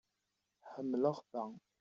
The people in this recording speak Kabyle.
Ḥemmleɣ ta.